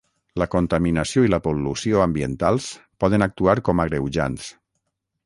La contaminació i la pol·lució ambientals poden actuar com agreujants.